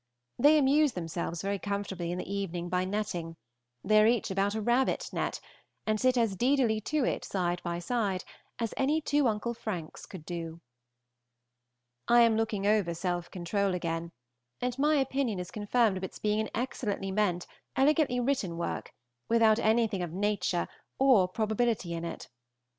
They amuse themselves very comfortably in the evening by netting; they are each about a rabbit net, and sit as deedily to it, side by side, as any two Uncle Franks could do. I am looking over "Self Control" again, and my opinion is confirmed of its being an excellently meant, elegantly written work, without anything of nature or probability in it.